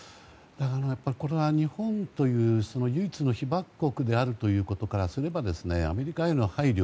やっぱりこれは日本という唯一の被爆国であるということからすればアメリカへの配慮